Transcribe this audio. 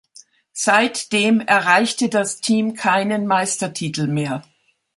Seitdem erreichte das Team keinen Meistertitel mehr.